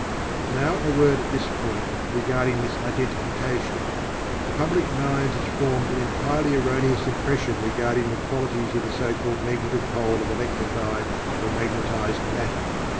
Now a word at this point regarding this identification. The public mind has formed an entirely erroneous impression regarding the qualities of the so called "Negative" pole of electrified or magnetized Matter.